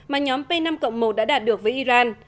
mà nhóm p năm một đã đạt được với iran